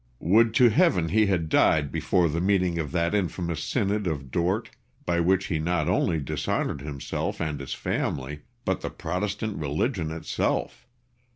William. Would to Heaven he had died before the meeting of that infamous Synod of Dort, by which he not only dishonoured himself and his family, but the Protestant religion itself!